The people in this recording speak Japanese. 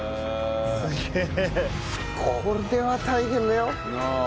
これは大変だよ。